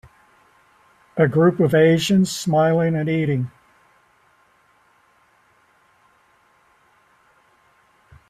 A group of asians smiling and eating